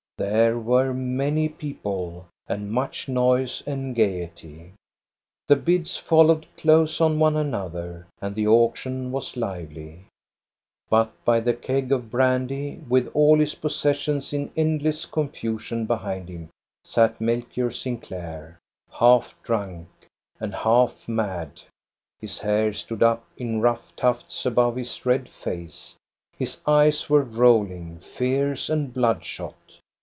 There were many people, and much noise and gayety. The bids fol lowed close on one another, and the auction was lively. But by the keg of brandy, with all his pos sessions in endless confusion behind him, sat Melchior 10 146 THE STORY OF GOSTA BE RUNG Sinclair, half drunk and half mad. His hair stood up in rough tufts above his red face ; his eyes were rolling, fierce, and bloodshot.